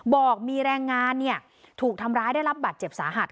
บอกมีแรงงานถูกทำร้ายได้รับบาดเจ็บสาหัส